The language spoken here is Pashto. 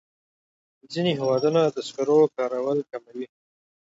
ځینې هېوادونه د سکرو کارول کموي.